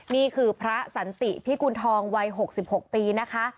นี่คือพระสันติพิกุณฑองวัย๖๖ปีนะคะ